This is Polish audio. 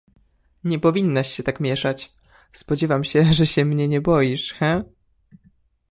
"Nie powinnaś się tak mieszać; spodziewam się, że się mnie nie boisz, hę?"